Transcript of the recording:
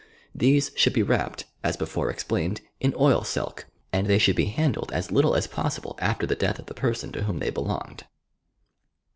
These should be wrapped, as before explained, in oil silb, and they should be handled as little as possible after the death of the person to whom tbey belonged.